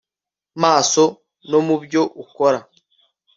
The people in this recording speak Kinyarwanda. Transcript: maso no mu byo ukora